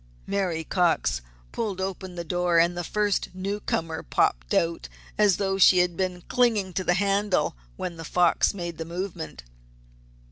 Mary Cox pulled open the door and the first newcomer popped out as though she had been clinging to the handle when The Fox made the movement.